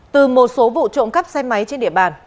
từ một số vụ trộm cắp xe máy trên địa bàn